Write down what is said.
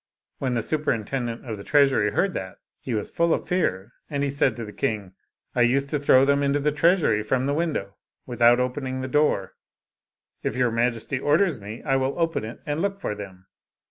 " When the superintendent of the treasury heard that, he was full of fear, and he said to the king, " I used to throw them into the treasury from the window without opening the door ; if your Majesty orders me, I will open it and look for them."